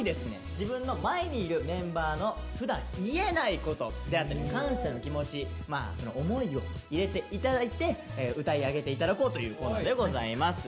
自分の前にいるメンバーのふだん言えないことであったり感謝の気持ち思いを入れて頂いて歌い上げて頂こうというコーナーでございます。